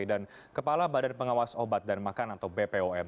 dan kepala badan pengawas obat dan makan atau bpom